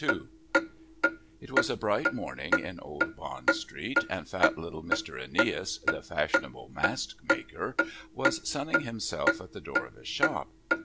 II It was a bright morning in Old Bond Street, and fat little Mr. Aeneas, the fashionable mask maker, was sunning himself at the door of his shop.